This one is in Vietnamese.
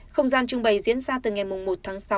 không gian trưng bày diễn ra từ ngày một tháng sáu